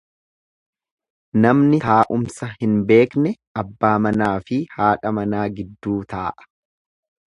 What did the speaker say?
Namni taa'umsa hin beekne, abbaa manaafi haadha manaa gidduu taa'a.